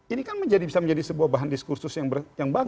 ini kan bisa menjadi sebuah bahan diskursus yang bagus